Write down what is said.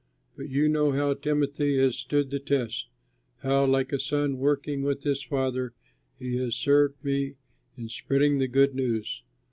But you know how Timothy has stood the test, how like a son working with his father he has served with me in spreading the good news.